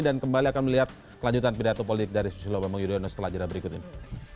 dan kembali akan melihat kelanjutan pidato politik dari susilo bambang yudhoyono setelah jadwal berikut ini